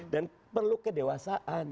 dan perlu kedewasaan